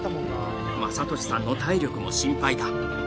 正敏さんの体力も心配だ。